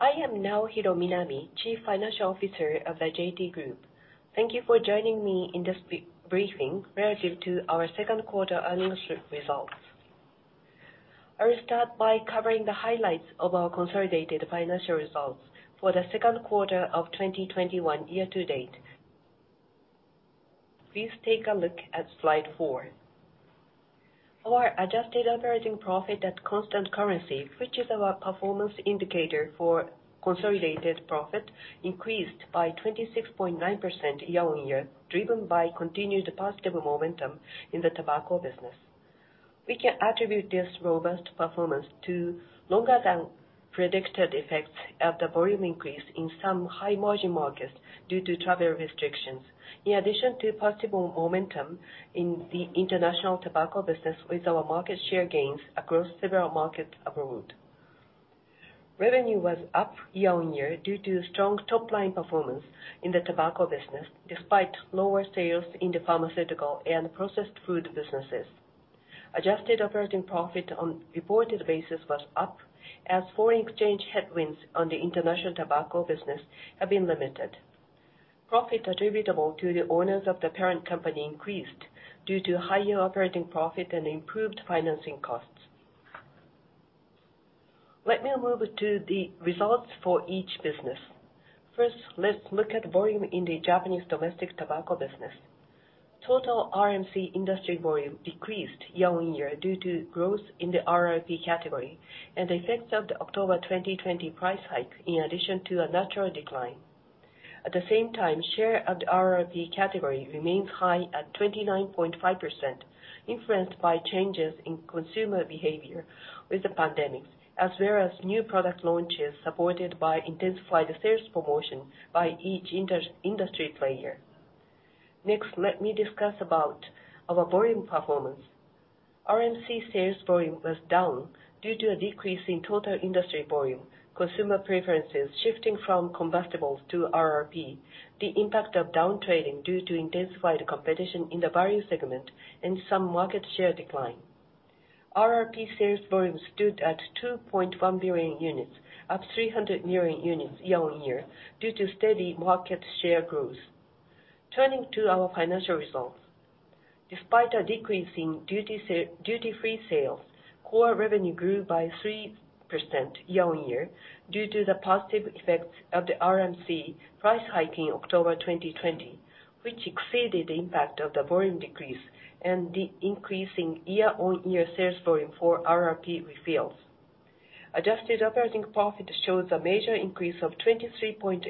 I am Naohiro Minami, Chief Financial Officer of the JT Group. Thank you for joining me in this briefing relative to our second quarter earnings results. I will start by covering the highlights of our consolidated financial results for the second quarter of 2021 year-to-date. Please take a look at slide four. Our Adjusted operating profit at constant currency, which is our performance indicator for consolidated profit, increased by 26.9% year-over-year, driven by continued positive momentum in the tobacco business. We can attribute this robust performance to longer than predicted effects of the volume increase in some high-margin markets due to travel restrictions, in addition to possible momentum in the international tobacco business with our market share gains across several markets abroad. Revenue was up year-over-year due to strong top-line performance in the tobacco business, despite lower sales in the pharmaceutical and processed food businesses. Adjusted operating profit on reported basis was up as foreign exchange headwinds on the international tobacco business have been limited. Profit attributable to the owners of the parent company increased due to higher operating profit and improved financing costs. Let me move to the results for each business. First, let's look at volume in the Japanese domestic tobacco business. Total RMC industry volume decreased year-on-year due to growth in the RRP category and the effects of the October 2020 price hike, in addition to a natural decline. At the same time, share of the RRP category remains high at 29.5%, influenced by changes in consumer behavior with the pandemic, as well as new product launches supported by intensified sales promotion by each industry player. Next, let me discuss about our volume performance. RMC sales volume was down due to a decrease in total industry volume, consumer preferences shifting from combustibles to RRP, the impact of down trading due to intensified competition in the value segment, and some market share decline. RRP sales volume stood at 2.1 billion units, up 300 million units year-on-year due to steady market share growth. Turning to our financial results. Despite a decrease in duty-free sales, core revenue grew by 3% year-on-year due to the positive effects of the RMC price hike in October 2020, which exceeded the impact of the volume decrease and the increase in year-on-year sales volume for RRP refills. Adjusted operating profit shows a major increase of 23.8%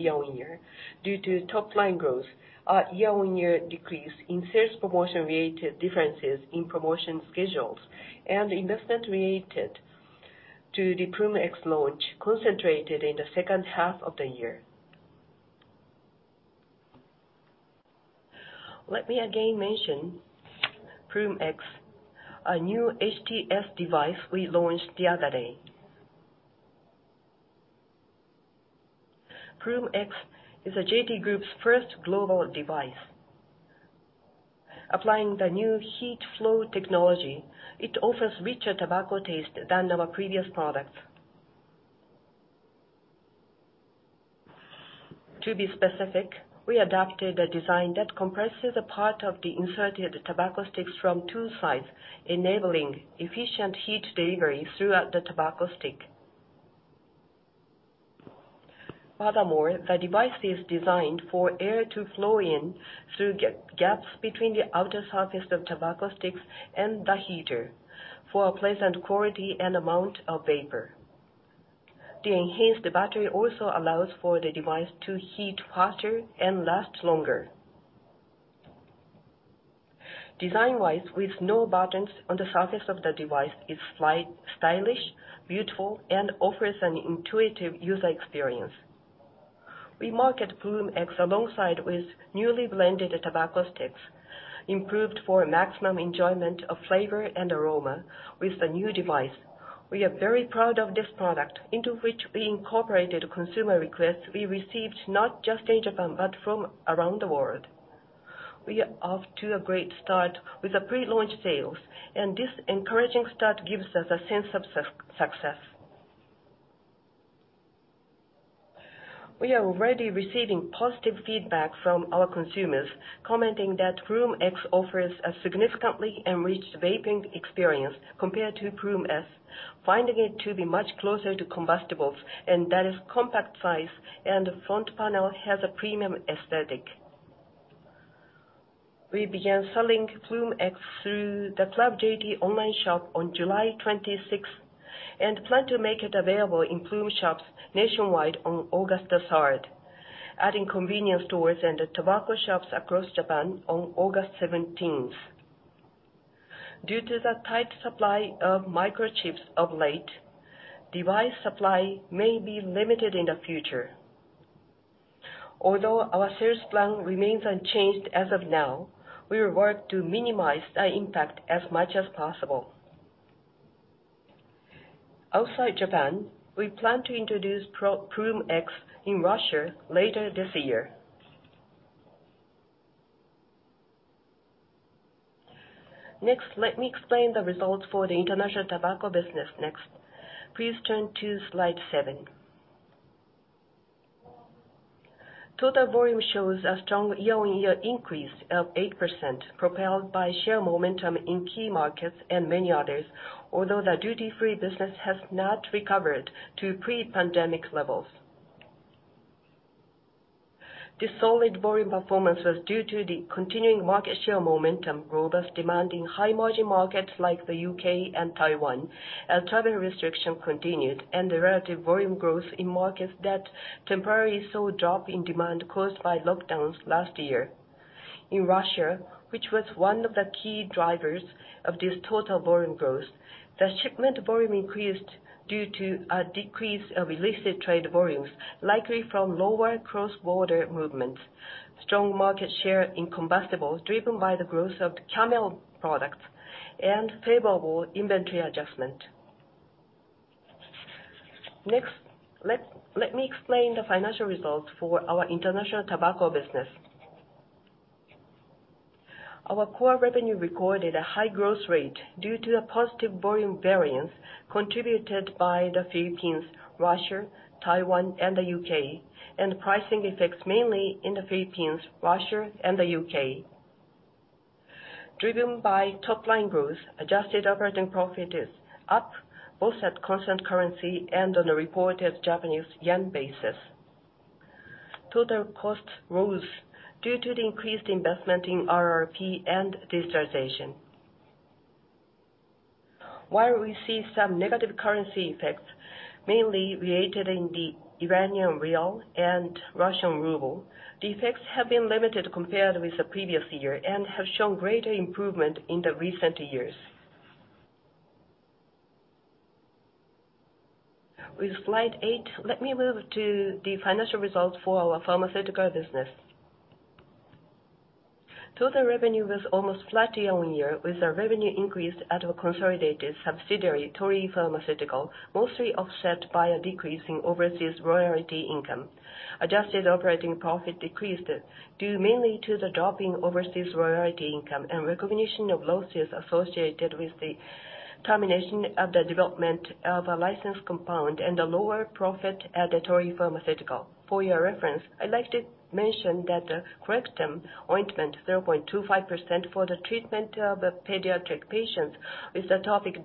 year-on-year due to top-line growth. Our year-on-year decrease in sales promotion related differences in promotion schedules, and investment related to the Ploom X launch concentrated in the second half of the year. Let me again mention Ploom X, a new HTF device we launched the other day. Ploom X is the JT Group's first global device. Applying the new HeatFlow technology, it offers richer tobacco taste than our previous products. To be specific, we adopted a design that compresses a part of the inserted tobacco sticks from two sides, enabling efficient heat delivery throughout the tobacco stick. Furthermore, the device is designed for air to flow in through gaps between the outer surface of tobacco sticks and the heater for a pleasant quality and amount of vapor. The enhanced battery also allows for the device to heat faster and last longer. Design-wise, with no buttons on the surface of the device, it's stylish, beautiful, and offers an intuitive user experience. We market Ploom X alongside with newly blended tobacco sticks, improved for maximum enjoyment of flavor and aroma with the new device. We are very proud of this product, into which we incorporated consumer requests we received not just in Japan, but from around the world. We are off to a great start with the pre-launch sales, and this encouraging start gives us a sense of success. We are already receiving positive feedback from our consumers, commenting that Ploom X offers a significantly enriched vaping experience compared to Ploom S, finding it to be much closer to combustibles, and that its compact size and front panel has a premium aesthetic. We began selling Ploom X through the Club JT online shop on July 26th and plan to make it available in Ploom shops nationwide on August 3rd, adding convenience stores and tobacco shops across Japan on August 17th. Due to the tight supply of microchips of late, device supply may be limited in the future. Although our sales plan remains unchanged as of now, we will work to minimize the impact as much as possible. Outside Japan, we plan to introduce Ploom X in Russia later this year. Next, let me explain the results for the international tobacco business. Please turn to slide seven. Total volume shows a strong year-on-year increase of 8%, propelled by share momentum in key markets and many others, although the duty-free business has not recovered to pre-pandemic levels. The solid volume performance was due to the continuing market share momentum, robust demand in high-margin markets like the U.K. and Taiwan, and travel restriction continued, and the relative volume growth in markets that temporarily saw a drop in demand caused by lockdowns last year. In Russia, which was one of the key drivers of this total volume growth, the shipment volume increased due to a decrease of illicit trade volumes, likely from lower cross-border movements, strong market share in combustibles driven by the growth of Camel products, and favorable inventory adjustment. Next, let me explain the financial results for our international tobacco business. Our core revenue recorded a high growth rate due to a positive volume variance contributed by the Philippines, Russia, Taiwan, and the U.K., and pricing effects mainly in the Philippines, Russia, and the U.K. Driven by top-line growth, Adjusted operating profit is up both at constant currency and on a reported Japanese yen basis. Total costs rose due to the increased investment in RRP and digitization. While we see some negative currency effects, mainly created in the Iranian Rial and Russian Ruble, the effects have been limited compared with the previous year and have shown greater improvement in the recent years. With slide eight, let me move to the financial results for our pharmaceutical business. Total revenue was almost flat year-on-year, with a revenue increase at a consolidated subsidiary, Torii Pharmaceutical, mostly offset by a decrease in overseas royalty income. Adjusted operating profit decreased due mainly to the drop in overseas royalty income and recognition of losses associated with the termination of the development of a licensed compound and a lower profit at the Torii Pharmaceutical. For your reference, I'd like to mention that the CORECTIM® ointment 0.25% for the treatment of pediatric patients with atopic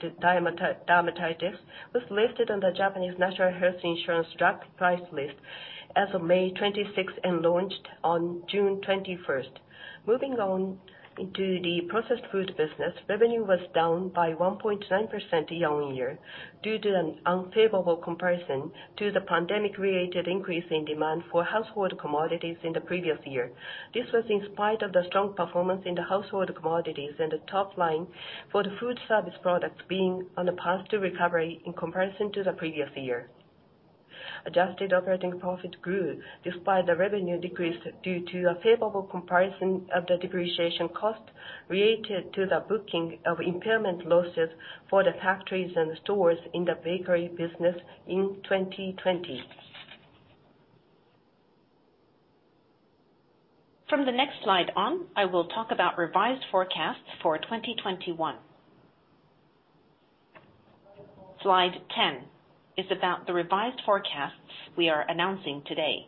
dermatitis was listed on the Japanese National Health Insurance drug price list as of May 26th and launched on June 21st. Moving on into the processed food business, revenue was down by 1.9% year-on-year due to an unfavorable comparison to the pandemic-related increase in demand for household commodities in the previous year. This was in spite of the strong performance in the household commodities and the top line for the food service products being on the path to recovery in comparison to the previous year. Adjusted operating profit grew despite the revenue decrease due to a favorable comparison of the depreciation cost related to the booking of impairment losses for the factories and stores in the bakery business in 2020. From the next slide on, I will talk about revised forecasts for 2021. Slide 10 is about the revised forecasts we are announcing today.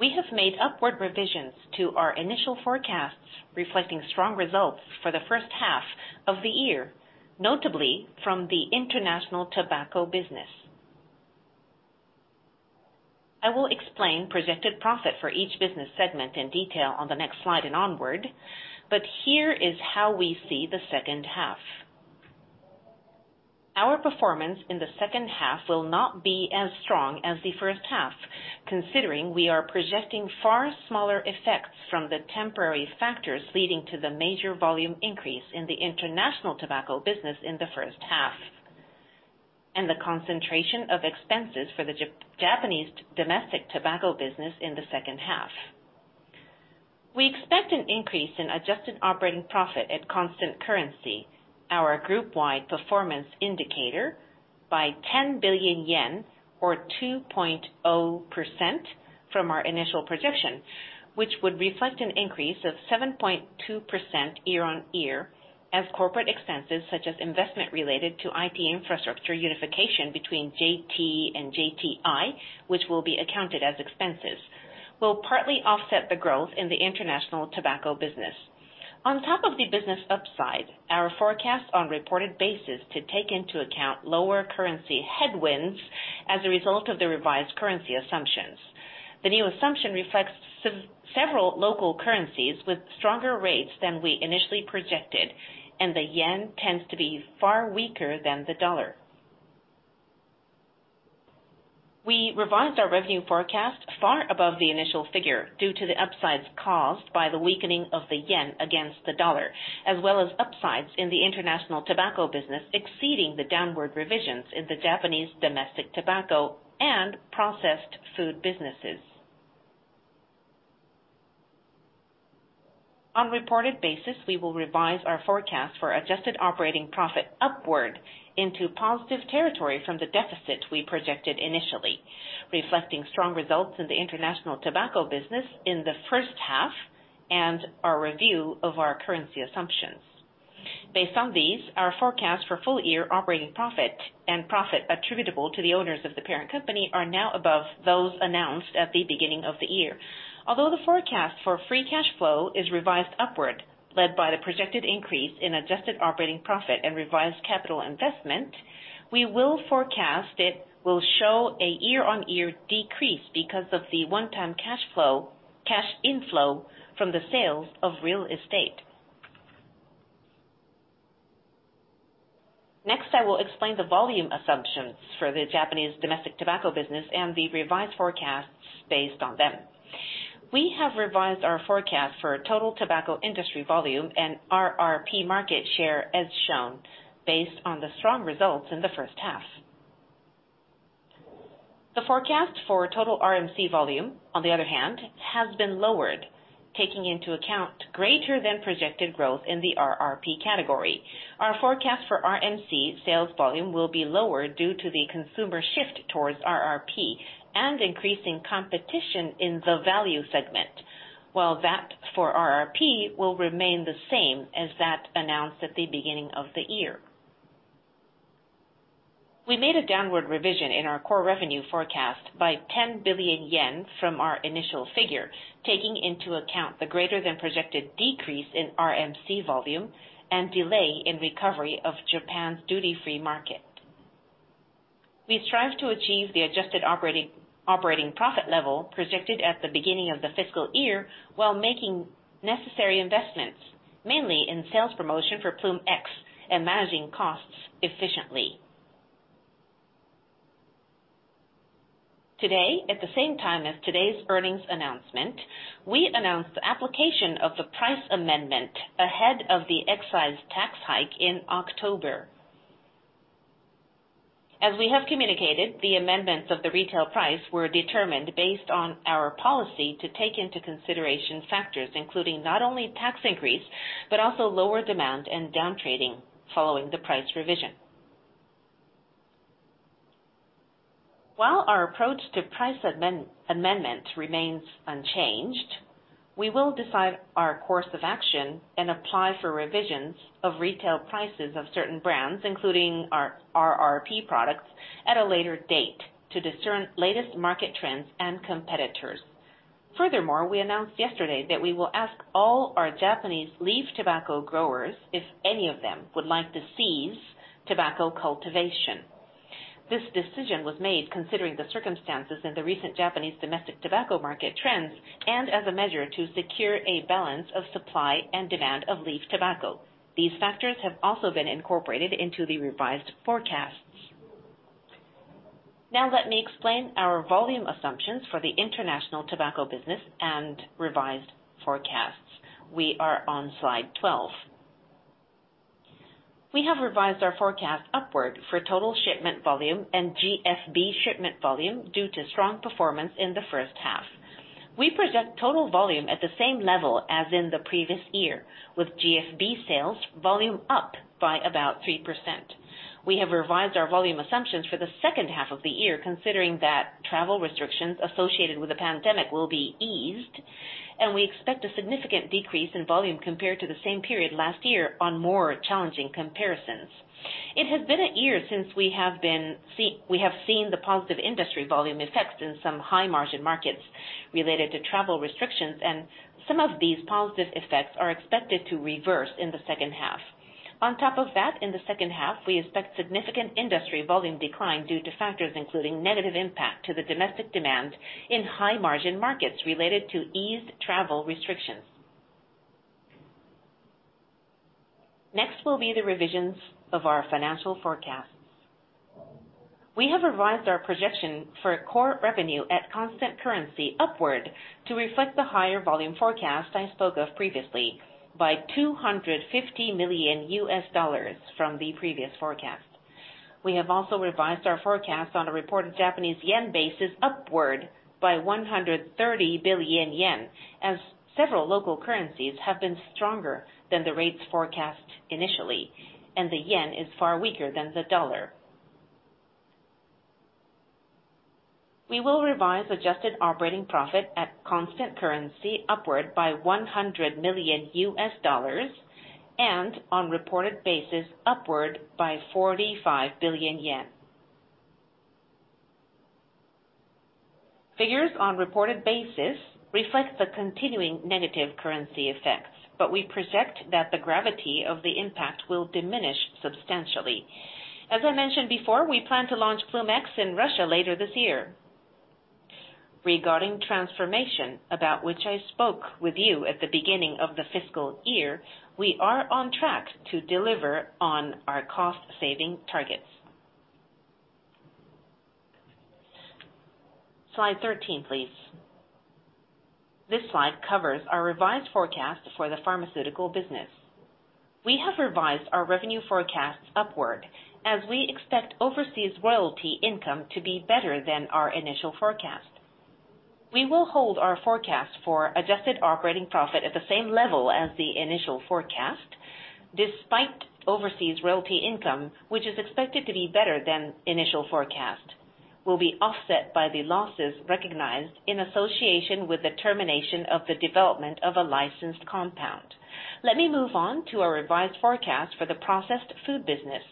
We have made upward revisions to our initial forecasts, reflecting strong results for the first half of the year, notably from the international tobacco business. I will explain projected profit for each business segment in detail on the next slide and onward. Here is how we see the second half. Our performance in the second half will not be as strong as the first half, considering we are projecting far smaller effects from the temporary factors leading to the major volume increase in the international tobacco business in the first half and the concentration of expenses for the Japanese domestic tobacco business in the second half. We expect an increase in Adjusted operating profit at constant currency, our group-wide performance indicator, by 10 billion yen, or 2.0% from our initial projection, which would reflect an increase of 7.2% year-on-year as corporate expenses such as investment related to IT infrastructure unification between JT and JTI, which will be accounted as expenses, will partly offset the growth in the international tobacco business. On top of the business upside, our forecast on a reported basis to take into account lower currency headwinds as a result of the revised currency assumptions. The new assumption reflects several local currencies with stronger rates than we initially projected, and the yen tends to be far weaker than the dollar. We revised our revenue forecast far above the initial figure due to the upsides caused by the weakening of the yen against the dollar, as well as upsides in the international tobacco business exceeding the downward revisions in the Japanese domestic tobacco and processed food businesses. On a reported basis, we will revise our forecast for adjusted operating profit upward into positive territory from the deficit we projected initially, reflecting strong results in the international tobacco business in the first half and our review of our currency assumptions. Based on these, our forecast for full-year operating profit and profit attributable to the owners of the parent company are now above those announced at the beginning of the year. Although the forecast for Free Cash Flow is revised upward, led by the projected increase in Adjusted operating profit and revised capital investment, we will forecast it will show a year-on-year decrease because of the one-time cash flow, cash inflow from the sales of real estate. Next, I will explain the volume assumptions for the Japanese domestic tobacco business and the revised forecasts based on them. We have revised our forecast for total tobacco industry volume and RRP market share as shown, based on the strong results in the first half. The forecast for total RMC volume, on the other hand, has been lowered, taking into account greater than projected growth in the RRP category. Our forecast for RMC sales volume will be lower due to the consumer shift towards RRP and increasing competition in the value segment. That for RRP will remain the same as that announced at the beginning of the year. We made a downward revision in our core revenue forecast by 10 billion yen from our initial figure, taking into account the greater than projected decrease in RMC volume and delay in recovery of Japan's duty-free market. We strive to achieve the Adjusted operating profit level projected at the beginning of the fiscal year while making necessary investments, mainly in sales promotion for Ploom X and managing costs efficiently. Today, at the same time as today's earnings announcement, we announced the application of the price amendment ahead of the excise tax hike in October. As we have communicated, the amendments of the retail price were determined based on our policy to take into consideration factors including not only tax increase, but also lower demand and down trading following the price revision. While our approach to price amendment remains unchanged, we will decide our course of action and apply for revisions of retail prices of certain brands, including our RRP products, at a later date to discern latest market trends and competitors. Furthermore, we announced yesterday that we will ask all our Japanese leaf tobacco growers if any of them would like to cease tobacco cultivation. This decision was made considering the circumstances in the recent Japanese domestic tobacco market trends and as a measure to secure a balance of supply and demand of leaf tobacco. These factors have also been incorporated into the revised forecasts. Now let me explain our volume assumptions for the international tobacco business and revised forecasts. We are on slide 12. We have revised our forecast upward for total shipment volume and GFB shipment volume due to strong performance in the first half. We project total volume at the same level as in the previous year, with GFB sales volume up by about 3%. We have revised our volume assumptions for the second half of the year, considering that travel restrictions associated with the pandemic will be eased, and we expect a significant decrease in volume compared to the same period last year on more challenging comparisons. It has been a year since we have seen the positive industry volume effects in some high-margin markets related to travel restrictions, and some of these positive effects are expected to reverse in the second half. On top of that, in the second half, we expect significant industry volume decline due to factors including negative impact to the domestic demand in high-margin markets related to eased travel restrictions. Next will be the revisions of our financial forecasts. We have revised our projection for core revenue at constant currency upward to reflect the higher volume forecast I spoke of previously by $250 million from the previous forecast. We have also revised our forecast on a reported Japanese yen basis upward by 130 billion yen, as several local currencies have been stronger than the rates forecast initially, and the yen is far weaker than the dollar. We will revise Adjusted operating profit at constant currency upward by $100 million, and on reported basis, upward by 45 billion yen. Figures on reported basis reflect the continuing negative currency effects, but we project that the gravity of the impact will diminish substantially. As I mentioned before, we plan to launch Ploom X in Russia later this year. Regarding transformation, about which I spoke with you at the beginning of the fiscal year, we are on track to deliver on our cost-saving targets. Slide 13, please. This slide covers our revised forecast for the pharmaceutical business. We have revised our revenue forecasts upward as we expect overseas royalty income to be better than our initial forecast. We will hold our forecast for Adjusted operating profit at the same level as the initial forecast, despite overseas royalty income, which is expected to be better than initial forecast, will be offset by the losses recognized in association with the termination of the development of a licensed compound. Let me move on to our revised forecast for the processed food business.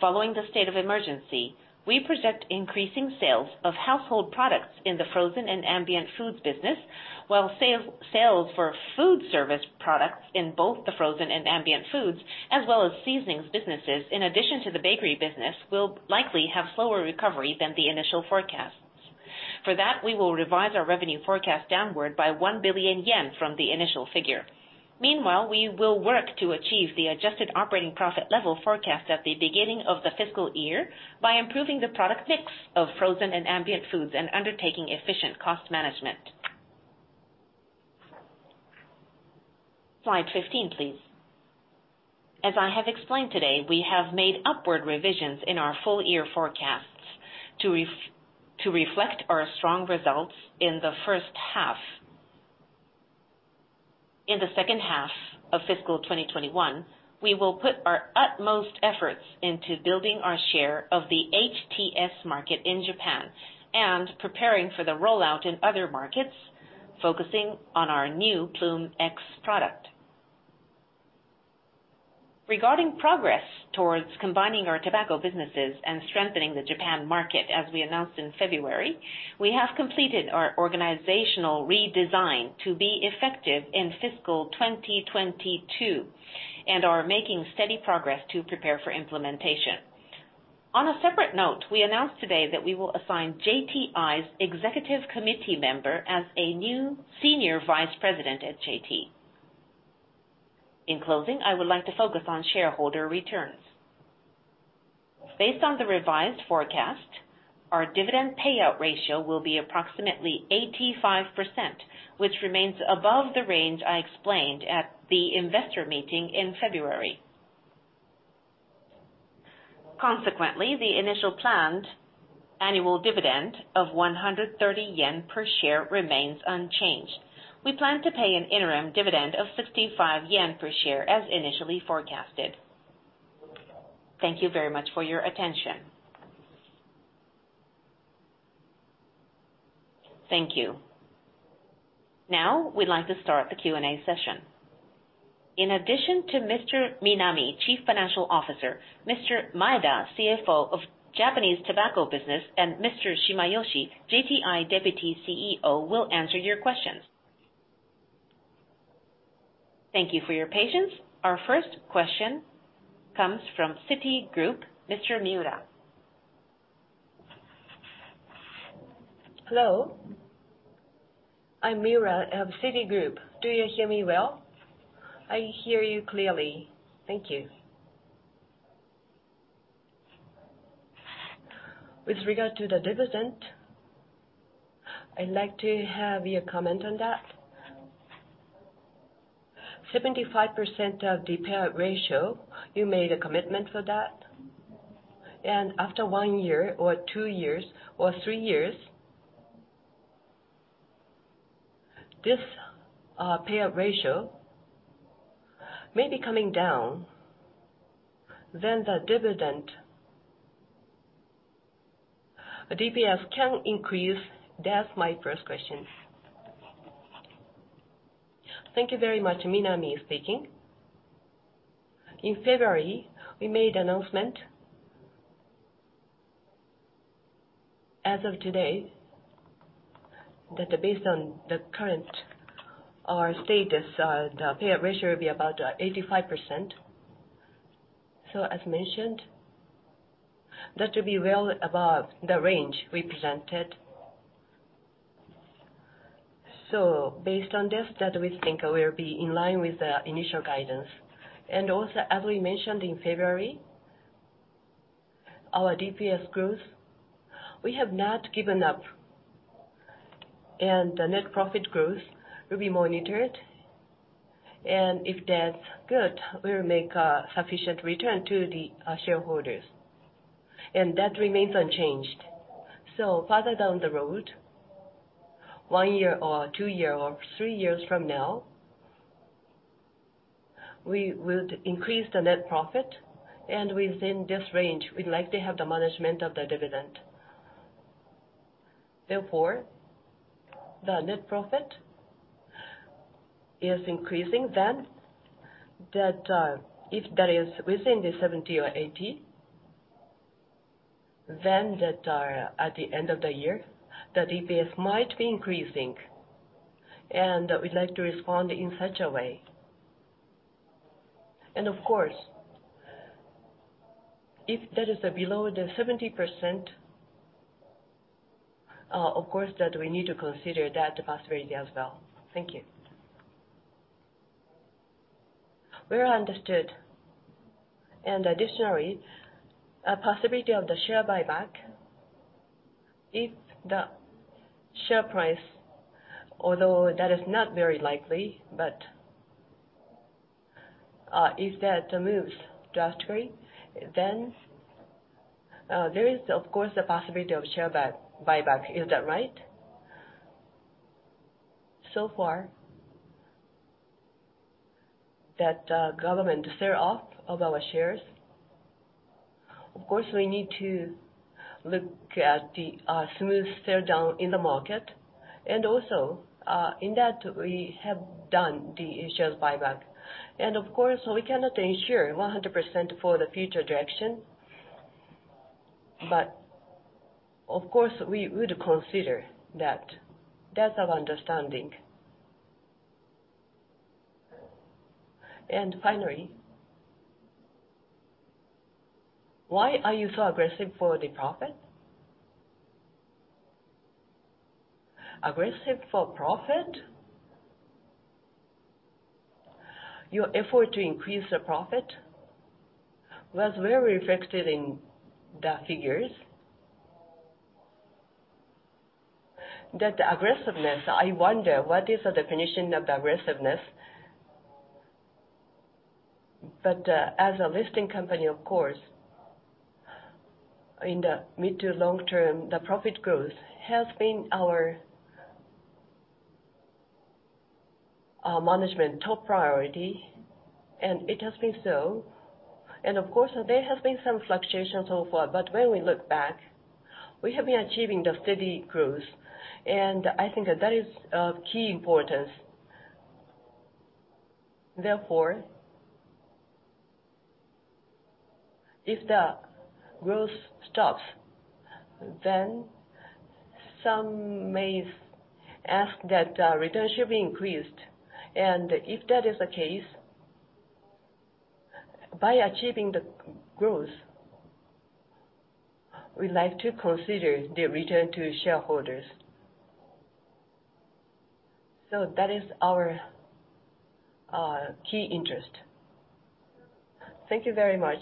Following the state of emergency, we project increasing sales of household products in the frozen and ambient foods business, while sales for food service products in both the frozen and ambient foods, as well as seasonings businesses, in addition to the bakery business, will likely have slower recovery than the initial forecasts. For that, we will revise our revenue forecast downward by 1 billion yen from the initial figure. Meanwhile, we will work to achieve the Adjusted operating profit level forecast at the beginning of the fiscal year by improving the product mix of frozen and ambient foods and undertaking efficient cost management. Slide 15, please. As I have explained today, we have made upward revisions in our full-year forecasts to reflect our strong results in the first half. In the second half of fiscal 2021, we will put our utmost efforts into building our share of the HTS market in Japan and preparing for the rollout in other markets, focusing on our new Ploom X product. Regarding progress towards combining our tobacco businesses and strengthening the Japan market, as we announced in February, we have completed our organizational redesign to be effective in fiscal 2022 and are making steady progress to prepare for implementation. On a separate note, we announced today that we will assign JTI's executive committee member as a new Senior Vice President at JT. In closing, I would like to focus on shareholder returns. Based on the revised forecast, our dividend payout ratio will be approximately 85%, which remains above the range I explained at the investor meeting in February. Consequently, the initial planned annual dividend of 130 yen per share remains unchanged. We plan to pay an interim dividend of 65 yen per share as initially forecasted. Thank you very much for your attention. Thank you. We'd like to start the Q&A session. In addition to Mr. Minami, Chief Financial Officer, Mr. Maeda, CFO of Japanese Tobacco Business, and Mr. Shimayoshi, JTI Deputy CEO, will answer your questions. Thank you for your patience. Our first question comes from Citigroup, Mr. Miura. Hello. I'm Miura of Citigroup. Do you hear me well? I hear you clearly. Thank you. With regard to the dividend, I'd like to have your comment on that. 75% of the payout ratio, you made a commitment for that. After one year or two years or three years, this payout ratio may be coming down then the dividend, DPS can increase. That's my first question. Thank you very much. Minami speaking. In February, we made announcement as of today, that based on the current, our status, the payout ratio will be about 85%. As mentioned, that will be well above the range we presented. Based on this, that we think will be in line with the initial guidance. Also, as we mentioned in February, our DPS growth, we have not given up, and the net profit growth will be monitored. If that's good, we will make a sufficient return to the shareholders, and that remains unchanged. Further down the road, one year or two years or three years from now, we would increase the net profit. Within this range, we'd like to have the management of the dividend. Therefore, the net profit is increasing then, that if that is within the 70 or 80, then that are at the end of the year, the DPS might be increasing, and we'd like to respond in such a way. Of course, if that is below the 70%, of course that we need to consider that possibility as well. Thank you. Well understood. Additionally, a possibility of the share buyback if the share price, although that is not very likely. If that moves drastically, then there is, of course, the possibility of share buyback. Is that right? So far, that government sell off all our shares. Of course, we need to look at the smooth sell-down in the market, and also, in that, we have done the shares buyback. Of course, we cannot ensure 100% for the future direction. Of course, we would consider that. That's our understanding. Finally, why are you so aggressive for the profit? Aggressive for profit? Your effort to increase the profit was very reflected in the figures. That aggressiveness, I wonder what is the definition of aggressiveness. As a listing company, of course, in the mid to long term, the profit growth has been our management top priority, and it has been so. Of course, there has been some fluctuations so far. When we look back, we have been achieving the steady growth. I think that is of key importance. Therefore, if the growth stops, then some may ask that return should be increased. If that is the case, by achieving the growth, we like to consider the return to shareholders. That is our key interest. Thank you very much.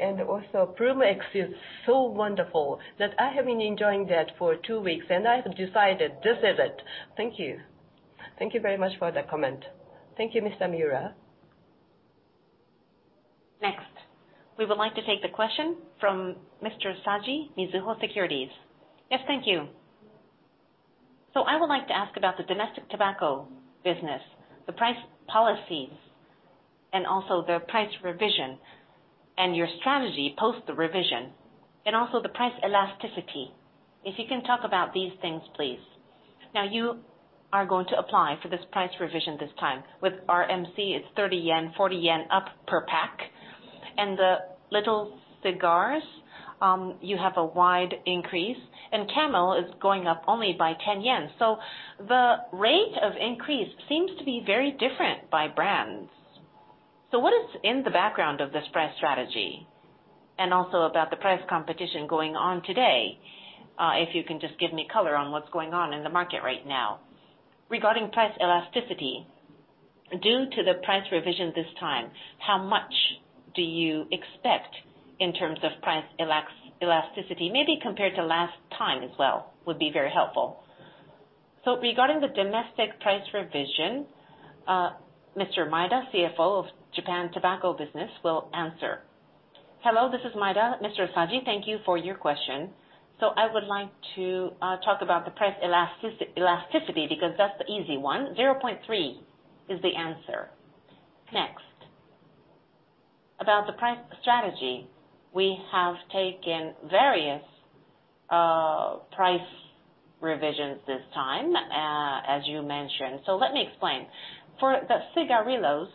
Also, Ploom X is so wonderful that I have been enjoying that for two weeks, and I have decided this is it. Thank you. Thank you very much for that comment. Thank you, Ms. Miura. Next, we would like to take the question from Mr. Saji, Mizuho Securities. Yes, thank you. I would like to ask about the domestic tobacco business, the price policies, and also the price revision, and your strategy post the revision, and also the price elasticity. If you can talk about these things, please. You are going to apply for this price revision this time. With RMC, it's 30 yen, 40 yen up per pack. The little cigars, you have a wide increase, and Camel is going up only by 10 yen. The rate of increase seems to be very different by brands. What is in the background of this price strategy, and also about the price competition going on today, if you can just give me color on what's going on in the market right now. Regarding price elasticity, due to the price revision this time, how much do you expect in terms of price elasticity? Maybe compared to last time as well, would be very helpful. Regarding the domestic price revision, Mr. Maeda, CFO of Japan Tobacco Business, will answer. Hello, this is Maeda. Mr. Saji, thank you for your question. I would like to talk about the price elasticity, because that's the easy one. 0.3 is the answer. Next, about the price strategy. We have taken various price revisions this time, as you mentioned. Let me explain. For the cigarillos,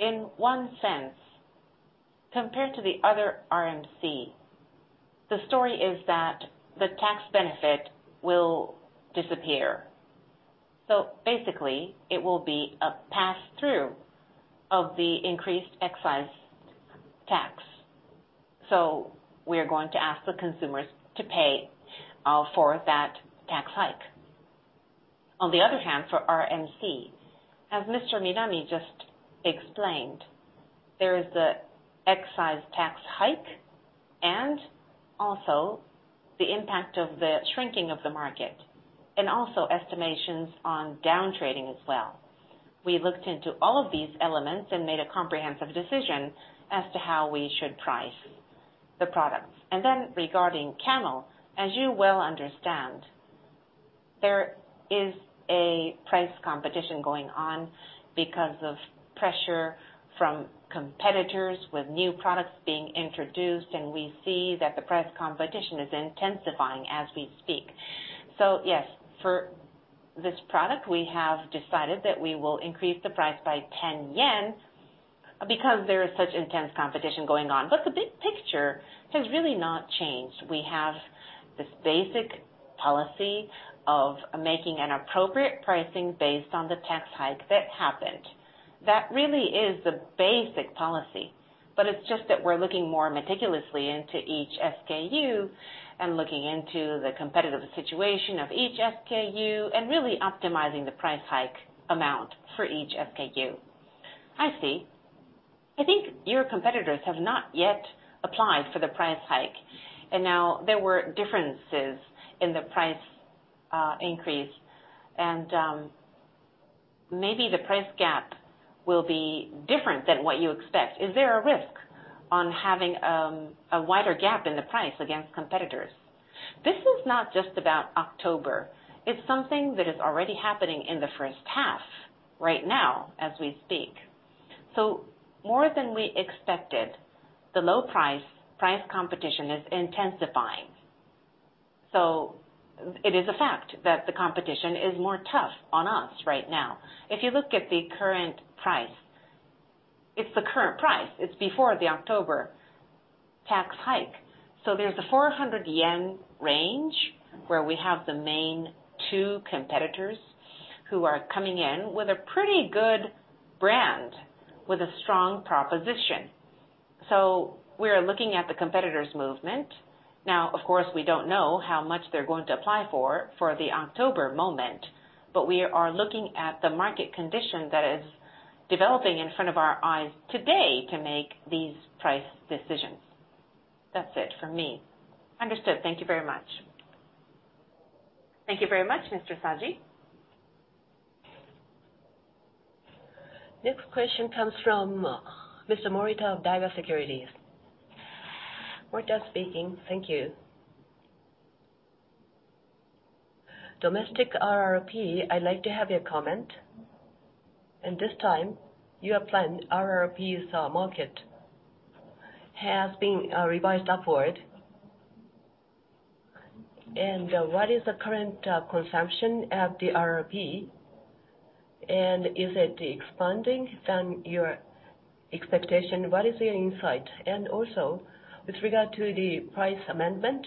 in one sense, compared to the other RMC, the story is that the tax benefit will disappear. Basically, it will be a pass-through of the increased excise tax. We are going to ask the consumers to pay for that tax hike. On the other hand, for RMC, as Mr. Minami just explained, there is the excise tax hike and also the impact of the shrinking of the market, and also estimations on down trading as well. We looked into all of these elements and made a comprehensive decision as to how we should price the products. Regarding Camel, as you well understand, there is a price competition going on because of pressure from competitors with new products being introduced, and we see that the price competition is intensifying as we speak. Yes, for this product, we have decided that we will increase the price by 10 yen because there is such intense competition going on. The big picture has really not changed. We have this basic policy of making an appropriate pricing based on the tax hike that happened. That really is the basic policy. It's just that we're looking more meticulously into each SKU and looking into the competitive situation of each SKU and really optimizing the price hike amount for each SKU. I see. I think your competitors have not yet applied for the price hike. Now there were differences in the price increase, and maybe the price gap will be different than what you expect. Is there a risk on having a wider gap in the price against competitors? This is not just about October. It's something that is already happening in the first half, right now, as we speak. More than we expected, the low price competition is intensifying. It is a fact that the competition is more tough on us right now. If you look at the current price, it's the current price. It's before the October tax hike. There's a 400 yen range where we have the main two competitors who are coming in with a pretty good brand, with a strong proposition. We are looking at the competitors' movement. Of course, we don't know how much they're going to apply for the October moment, but we are looking at the market condition that is developing in front of our eyes today to make these price decisions. That's it from me. Understood. Thank you very much. Thank you very much, Mr. Saji. Next question comes from Mr. Morita of Daiwa Securities. Morita speaking. Thank you. Domestic RRP, I'd like to have your comment. This time, you are planning RRPs market has been revised upward. What is the current consumption of the RRP, and is it expanding than your expectation? What is your insight? Also, with regard to the price amendment,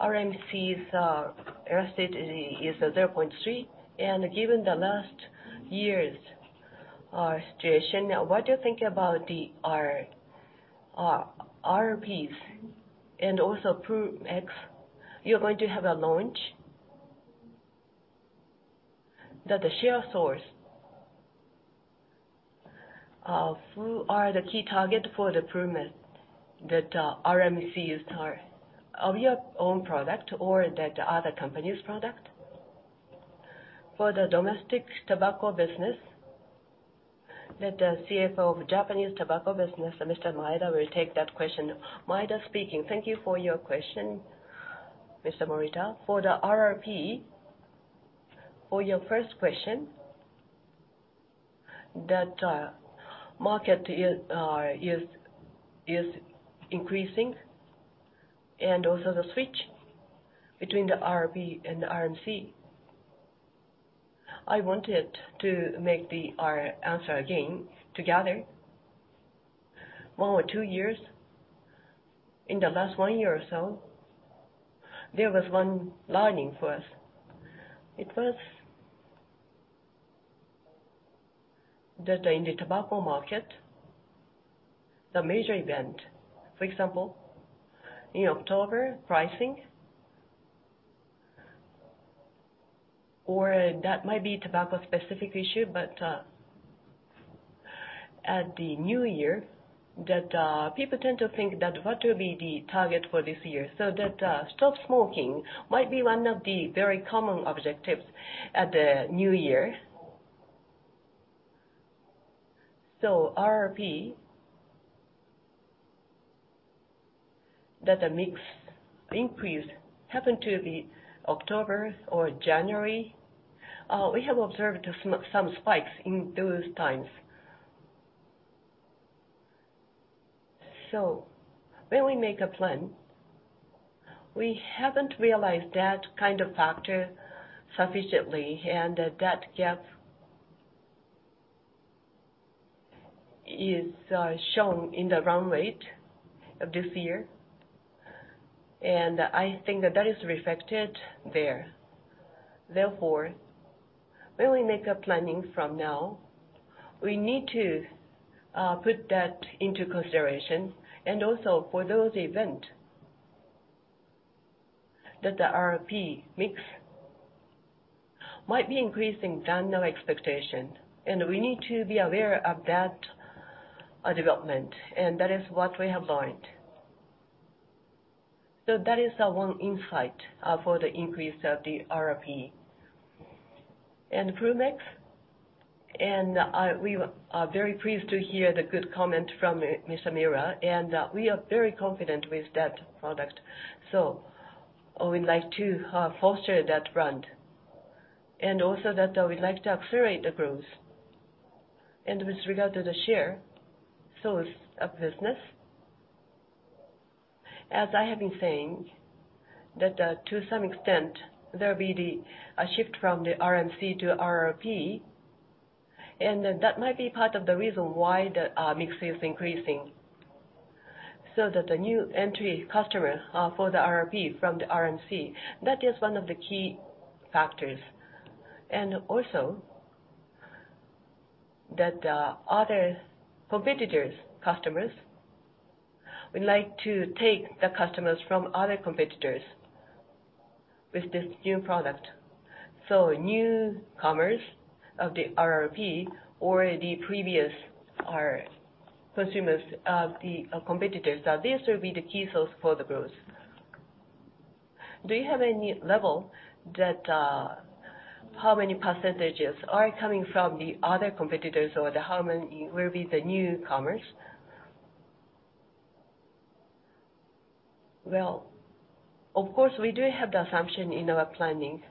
RMCs are estimated is 0.3, and given the last year's situation, what do you think about the RRPs? Also, Ploom X, you're going to have a launch. The share source of who are the key target for the Ploom X, that RMC is of your own product or that other company's product? For the domestic tobacco business, that the CFO of Japanese Tobacco business, Mr. Maeda, will take that question. Maeda speaking. Thank you for your question, Mr. Morita. For the RRP, for your first question, that market is increasing, and also the switch between the RRP and the RMC. I wanted to make our answer again, together. One or two years, in the last one year or so, there was one learning for us. It was that in the tobacco market, the major event, for example, in October pricing, or that might be tobacco specific issue but at the new year, that people tend to think that what will be the target for this year. That stop smoking might be one of the very common objectives at the new year. RRP, that the mix increase happened to be October or January. We have observed some spikes in those times. When we make a plan, we haven't realized that kind of factor sufficiently, and that gap is shown in the run rate of this year. I think that is reflected there. Therefore, when we make a planning from now, we need to put that into consideration, also for those event, that the RRP mix might be increasing than our expectation, and we need to be aware of that development, and that is what we have learned. That is the one insight for the increase of the RRP. Ploom X, and we are very pleased to hear the good comment from Mr. Miura, and we are very confident with that product. We'd like to foster that brand. Also that we'd like to accelerate the growth. With regard to the share, source of business, as I have been saying, that to some extent, there'll be the shift from the RMC to RRP, and that might be part of the reason why the mix is increasing. That the new entry customer for the RRP from the RMC, that is one of the key factors. Also, that other competitors' customers, we'd like to take the customers from other competitors. With this new product, newcomers of the RRP or the previous are consumers of the competitors. These will be the key sources for the growth. Do you have any level that, how many percentages are coming from the other competitors, or how many will be the newcomers? Well, of course, we do have the assumption in our planning.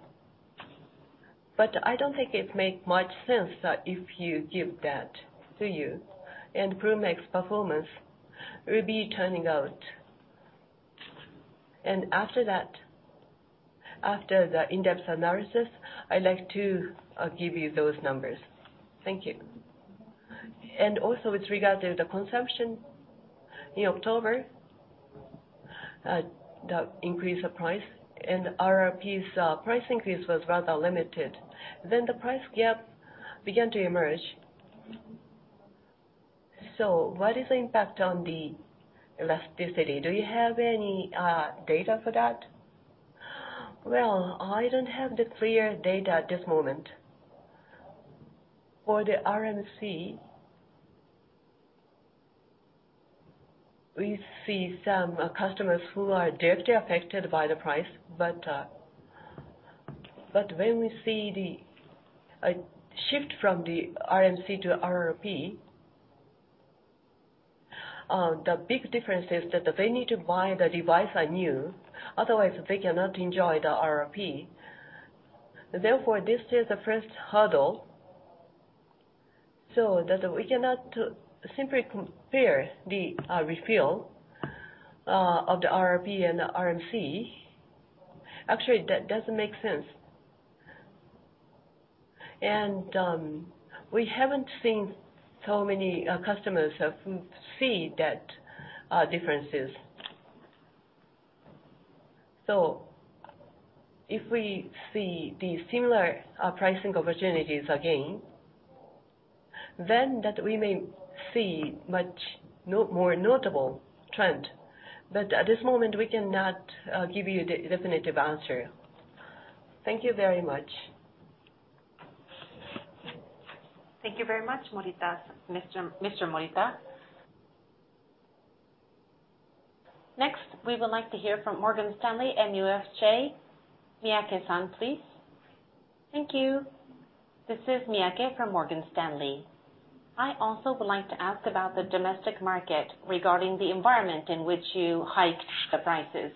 I don't think it makes much sense that if I give that to you, and Ploom X performance will be turning out. After the in-depth analysis, I'd like to give you those numbers. Thank you. Also with regard to the consumption in October, the increase of price and RRP's price increase was rather limited. The price gap began to emerge. What is the impact on the elasticity? Do you have any data for that? Well, I don't have the clear data at this moment. For the RMC, we see some customers who are directly affected by the price. When we see the shift from the RMC to RRP, the big difference is that they need to buy the device anew, otherwise they cannot enjoy the RRP. Therefore, this is the first hurdle, so that we cannot, simply compare the refill of the RRP and the RMC. Actually, that doesn't make sense. We haven't seen so many customers who see that differences. If we see the similar pricing opportunities again, then we may see much more notable trend. At this moment, we cannot give you the definitive answer. Thank you very much. Thank you very much, Mr. Morita. Next, we would like to hear from Morgan Stanley MUFG. Miyake-san, please. Thank you. This is Miyake from Morgan Stanley. I also would like to ask about the domestic market regarding the environment in which you hiked the prices.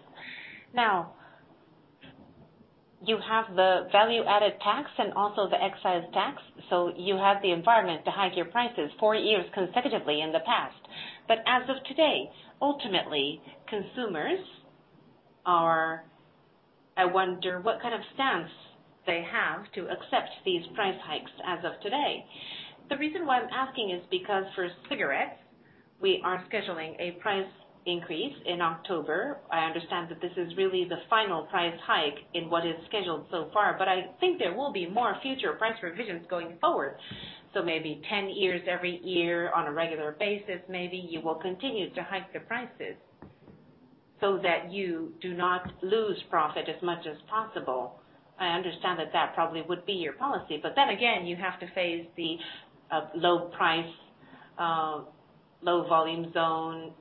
You have the value-added tax and also the excise tax. You have the environment to hike your prices four years consecutively in the past. As of today, ultimately, I wonder what kind of stance consumers have to accept these price hikes as of today. The reason why I am asking is because for cigarettes, we are scheduling a price increase in October. I understand that this is really the final price hike in what is scheduled so far, but I think there will be more future price revisions going forward. Maybe 10 years, every year on a regular basis, maybe you will continue to hike the prices so that you do not lose profit as much as possible. I understand that that probably would be your policy, but then again, you have to face the low price, low volume zone,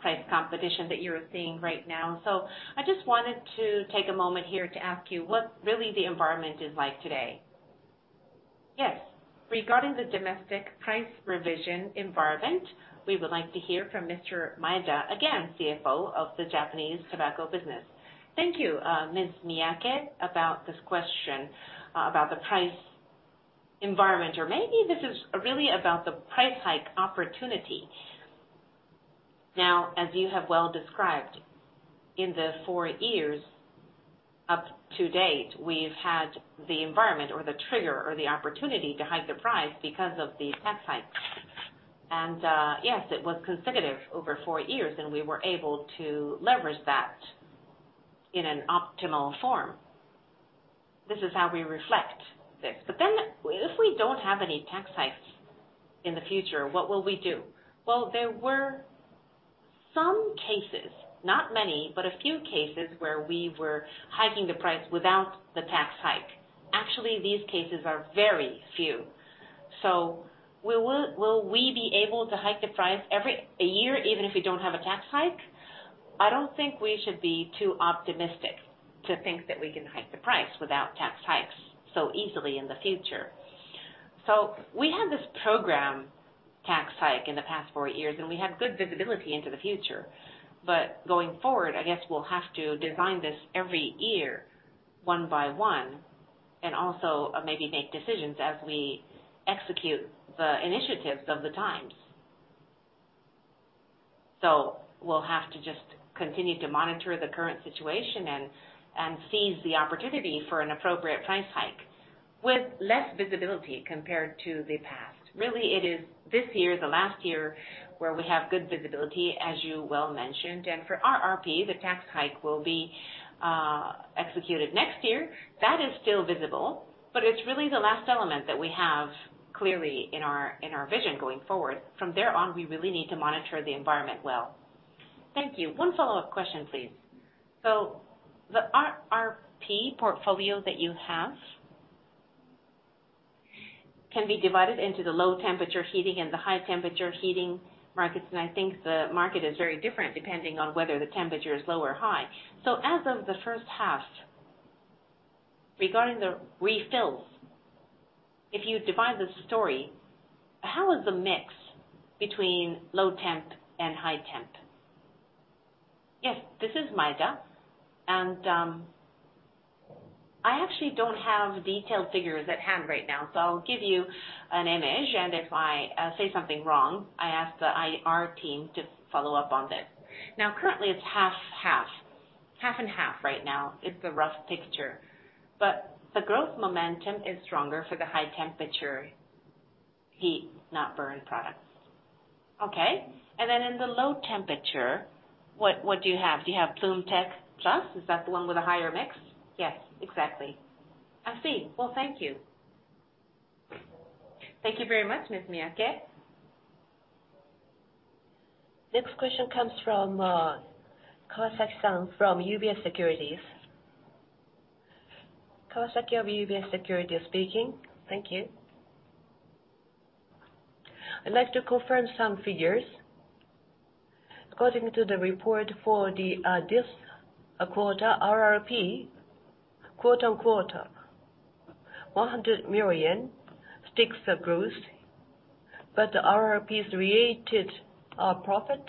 price competition that you're seeing right now. I just wanted to take a moment here to ask you what really the environment is like today. Yes. Regarding the domestic price revision environment, we would like to hear from Mr. Maeda, again, CFO of the Japanese tobacco business. Thank you, Ms. Miyake, about this question about the price environment, or maybe this is really about the price hike opportunity. As you have well described, in the four years up to date, we've had the environment or the trigger or the opportunity to hike the price because of the tax hikes. Yes, it was consecutive over four years, and we were able to leverage that in an optimal form. This is how we reflect this. If we don't have any tax hikes in the future, what will we do? Well, there were some cases, not many, but a few cases where we were hiking the price without the tax hike. Actually, these cases are very few. Will we be able to hike the price every year even if we don't have a tax hike? I don't think we should be too optimistic to think that we can hike the price without tax hikes so easily in the future. We had this program tax hike in the past four years, and we had good visibility into the future. Going forward, I guess we'll have to design this every year, one by one, and also maybe make decisions as we execute the initiatives of the times. We'll have to just continue to monitor the current situation and seize the opportunity for an appropriate price hike with less visibility compared to the past. Really, it is this year, the last year, where we have good visibility, as you well mentioned. For RRP, the tax hike will be executed next year, that is still visible, but it's really the last element that we have clearly in our vision going forward. From there on, we really need to monitor the environment well. Thank you. One follow-up question, please. The RRP portfolio that you have can be divided into the low-temperature heating and the high-temperature heating markets, I think the market is very different depending on whether the temperature is low or high. As of the first half, regarding the refills, if you divide the story, how is the mix between low temp and high temp? This is Maeda. I actually don't have detailed figures at hand right now, so I'll give you an image. If I say something wrong, I ask the IR team to follow up on this. Currently it's half-half. Half and half right now is the rough picture. The growth momentum is stronger for the high-temperature heat, not burn products. Okay. In the low temperature, what do you have? Do you have Ploom TECH+? Is that the one with a higher mix? Yes, exactly. I see. Well, thank you. Thank you very much, Ms. Miyake. Next question comes from Kawasaki-san from UBS Securities. Kawasaki of UBS Securities speaking. Thank you. I'd like to confirm some figures. According to the report for this quarter, RRP, quarter-on-quarter, 100 million sticks of growth, but the RRP-related profit,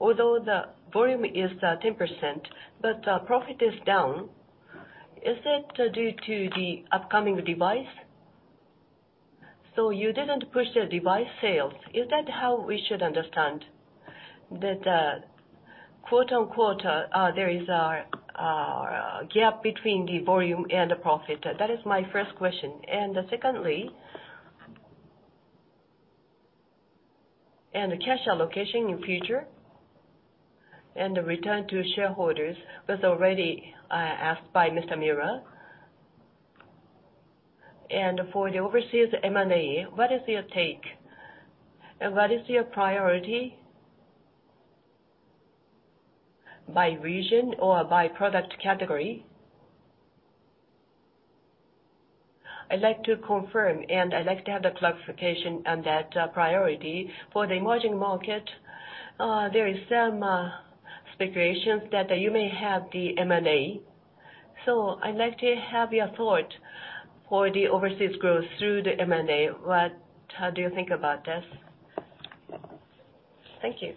although the volume is 10%, profit is down. Is it due to the upcoming device? You didn't push the device sales. Is that how we should understand that quarter-on-quarter, there is a gap between the volume and the profit? That is my first question. Secondly, the cash allocation in future, the return to shareholders was already asked by Ms. Miura. For the overseas M&A, what is your take and what is your priority by region or by product category? I'd like to confirm, I'd like to have the clarification on that priority. For the emerging market, there is some speculations that you may have the M&A. I'd like to have your thought for the overseas growth through the M&A. What do you think about this? Thank you.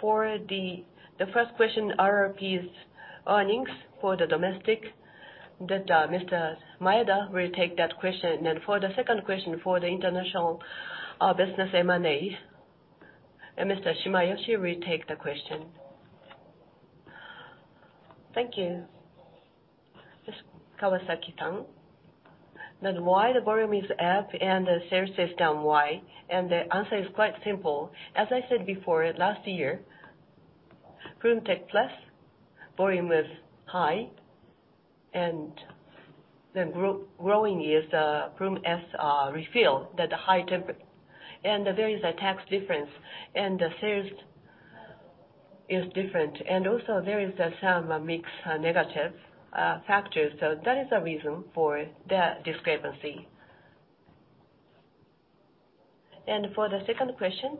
For the first question, RRP's earnings for the domestic, Ms. Maeda will take that question. For the second question, for the international business M&A, Mr. Shimayoshi will take the question. Thank you. Ms. Kawasaki. Why the volume is up and the sales is down, why? The answer is quite simple. As I said before, last year, Ploom TECH+ volume was high, and the growing is the Ploom S refill, and there is a tax difference and the sales is different. Also, there is some mix negative factors. That is the reason for that discrepancy. For the second question,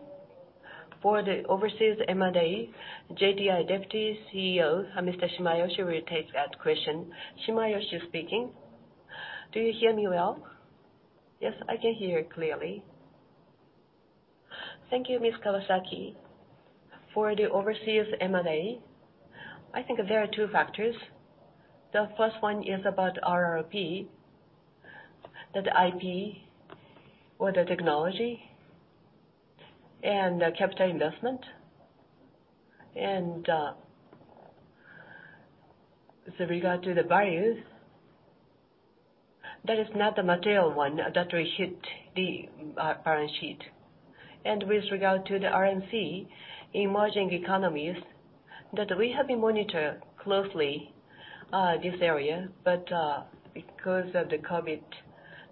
for the overseas M&A, JTI Deputy CEO, Ms. Shimayoshi, will take that question. Shimayoshi speaking. Do you hear me well? Yes, I can hear clearly. Thank you, Ms. Kawasaki. For the overseas M&A, I think there are two factors. The first one is about RRP, that IP or the technology and the capital investment. With regard to the value, that is not the material one that will hit the balance sheet. With regard to the RMC emerging economies, that we have been monitor closely this area, because of the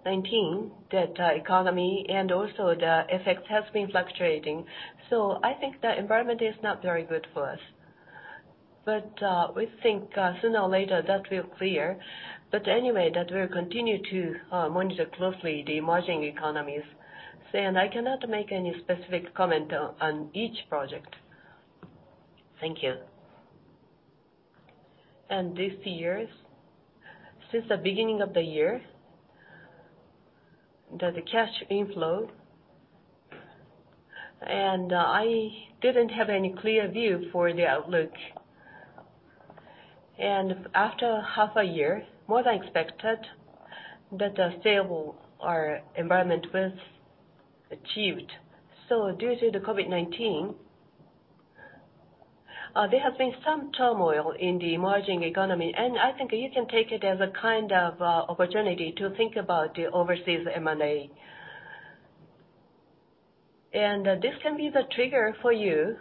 COVID-19, that economy and also the effect has been fluctuating. I think the environment is not very good for us. We think sooner or later that will clear. Anyway, that we'll continue to monitor closely the emerging economies. I cannot make any specific comment on each project. Thank you. This year, since the beginning of the year, the cash inflow, and I didn't have any clear view for the outlook. After half a year, more than expected, that the sale, our environment was achieved. Due to the COVID-19, there has been some turmoil in the emerging economy, and I think you can take it as a kind of opportunity to think about the overseas M&A. This can be the trigger for you.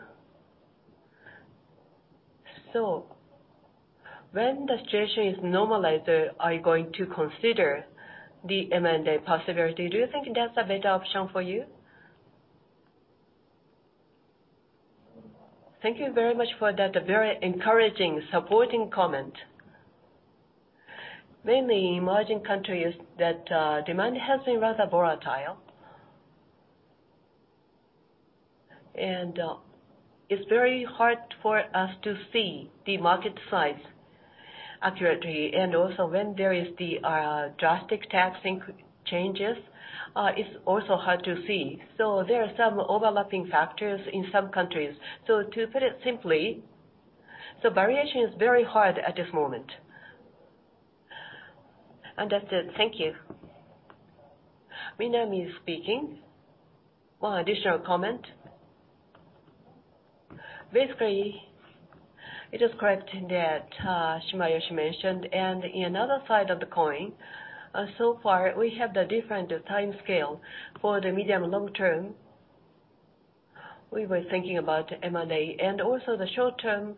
When the situation is normalized, are you going to consider the M&A possibility? Do you think that's a better option for you? Thank you very much for that very encouraging, supporting comment. Mainly emerging countries, that demand has been rather volatile. It's very hard for us to see the market size accurately. Also when there is the drastic taxing changes, it's also hard to see. There are some overlapping factors in some countries. To put it simply, the variation is very hard at this moment. Understood. Thank you. Minami speaking. One additional comment. Basically, it is correct that Shimayoshi mentioned, and in other side of the coin, so far we have the different time scale for the medium and long term. We were thinking about M&A and also the short-term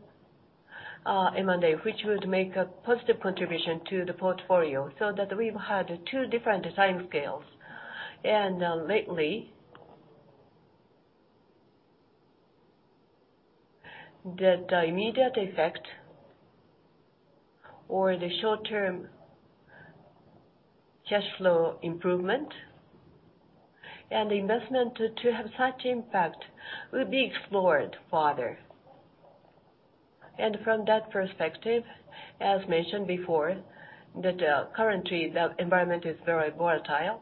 M&A, which would make a positive contribution to the portfolio so that we've had two different time scales. Lately, the immediate effect or the short-term cash flow improvement and investment to have such impact will be explored further. From that perspective, as mentioned before, that currently the environment is very volatile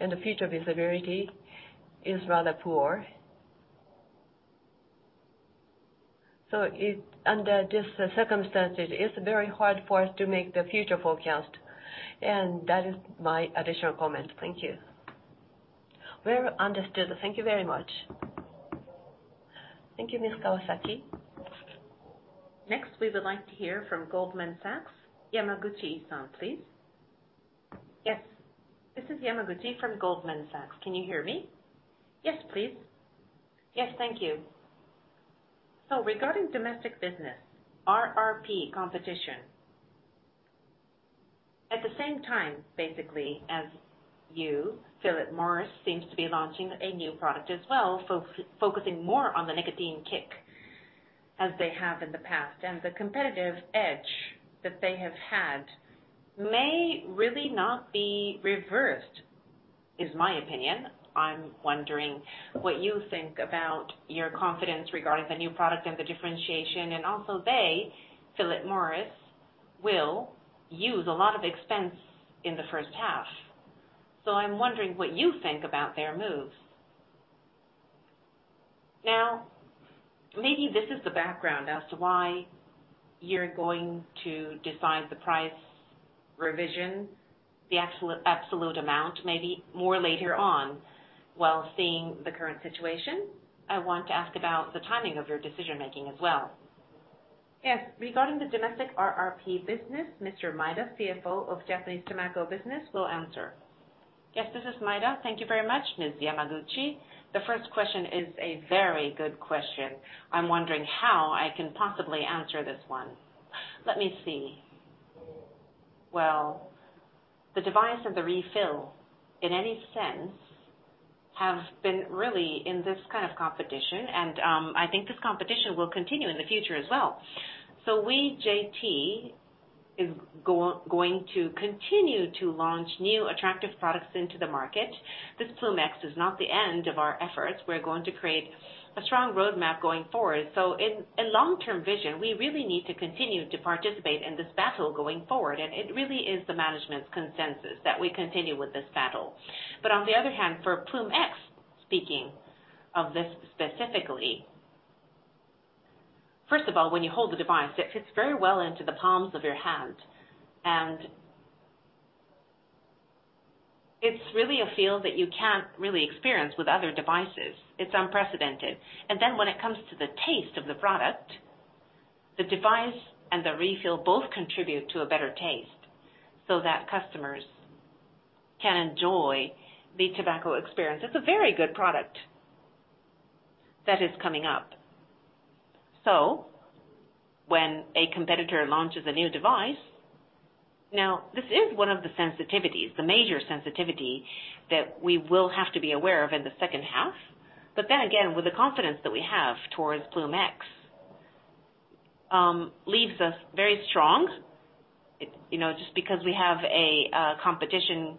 and the future visibility is rather poor. Under this circumstance, it is very hard for us to make the future forecast. That is my additional comment. Thank you. Well understood. Thank you very much. Thank you, Satsuki Kawasaki. Next, we would like to hear from Goldman Sachs, Yamaguchi-san, please. Yes. This is Yamaguchi from Goldman Sachs. Can you hear me? Yes, please. Yes. Thank you. Regarding domestic business, RRP competition. At the same time, basically, as you, Philip Morris seems to be launching a new product as well, focusing more on the nicotine kick as they have in the past. The competitive edge that they have had may really not be reversed, is my opinion. I'm wondering what you think about your confidence regarding the new product and the differentiation. Also, they, Philip Morris, will use a lot of expense in the first half. I'm wondering what you think about their moves. Maybe this is the background as to why you're going to decide the price revision, the absolute amount, maybe more later on while seeing the current situation. I want to ask about the timing of your decision-making as well. Yes. Regarding the domestic RRP business, Mr. Maeda, CFO of Japanese Tobacco Business, will answer. Yes, this is Maeda. Thank you very much, Ms. Yamaguchi. The first question is a very good question. I'm wondering how I can possibly answer this one. Let me see. The device and the refill, in any sense, have been really in this kind of competition and I think this competition will continue in the future as well. We, JT, is going to continue to launch new attractive products into the market. This Ploom X is not the end of our efforts. We're going to create a strong roadmap going forward. In long-term vision, we really need to continue to participate in this battle going forward, and it really is the management's consensus that we continue with this battle. On the other hand, for Ploom X, speaking of this specifically, first of all, when you hold the device, it fits very well into the palms of your hand. It's really a feel that you can't really experience with other devices. It's unprecedented. When it comes to the taste of the product, the device and the refill both contribute to a better taste so that customers can enjoy the tobacco experience. It's a very good product that is coming up. When a competitor launches a new device, now, this is one of the sensitivities, the major sensitivity that we will have to be aware of in the second half. Then again, with the confidence that we have towards Ploom X, leaves us very strong. Just because we have a competition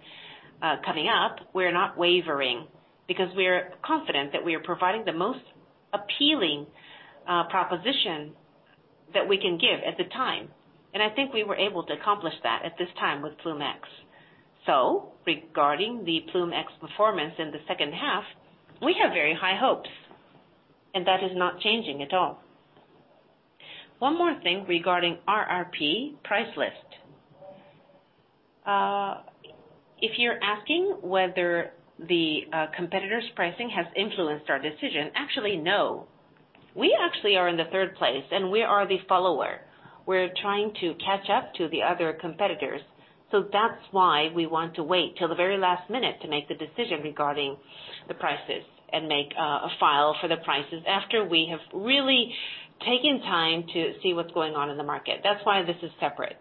coming up, we're not wavering because we are confident that we are providing the most appealing proposition that we can give at the time. I think we were able to accomplish that at this time with Ploom X. Regarding the Ploom X performance in the second half, we have very high hopes, and that is not changing at all. One more thing regarding RRP price list. If you're asking whether the competitor's pricing has influenced our decision, actually, no. We actually are in the third place, and we are the follower. We're trying to catch up to the other competitors. That's why we want to wait till the very last minute to make the decision regarding the prices and make a file for the prices after we have really taken time to see what's going on in the market. That's why this is separate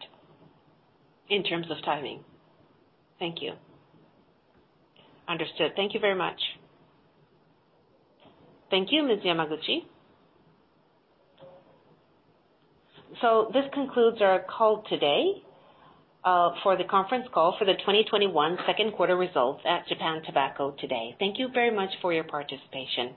in terms of timing. Thank you. Understood. Thank you very much. Thank you, Ms. Yamaguchi. This concludes our call today, for the conference call for the 2021 second quarter results at Japan Tobacco today. Thank you very much for your participation.